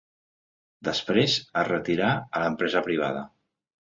Després es retirà a l'empresa privada.